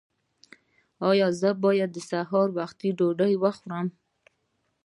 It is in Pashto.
ایا زه باید سهار وختي ډوډۍ وخورم؟